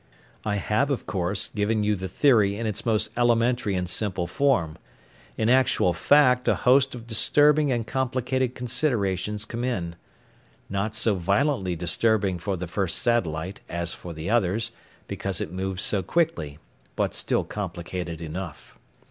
I have, of course, given you the theory in its most elementary and simple form. In actual fact a host of disturbing and complicated considerations come in not so violently disturbing for the first satellite as for the others, because it moves so quickly, but still complicated enough.